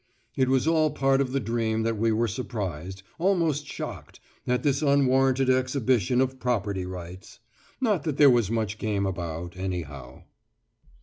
It was all part of the dream that we were surprised, almost shocked, at this unwarranted exhibition of property rights! Not that there was much game about, anyhow.